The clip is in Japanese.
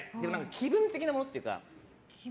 気分的なものというか。